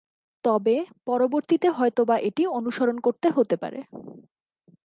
তবে, পরবর্তীতে হয়তোবা এটি অনুসরণ করতে হতে পারে।